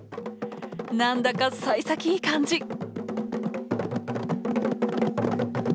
何だかさい先いい感じ！